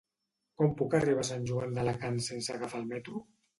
Com puc arribar a Sant Joan d'Alacant sense agafar el metro?